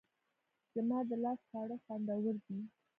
زما د لاس خواړه خوندور دي